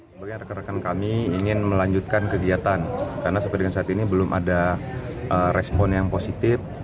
sebagai rekan rekan kami ingin melanjutkan kegiatan karena sampai dengan saat ini belum ada respon yang positif